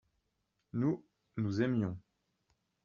nous, nous aimions.